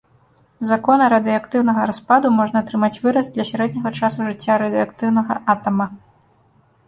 З закона радыеактыўнага распаду можна атрымаць выраз для сярэдняга часу жыцця радыеактыўнага атама.